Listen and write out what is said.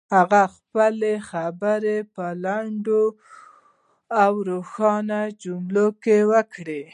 هغه خپلې خبرې په لنډو او روښانه جملو کې وکړې.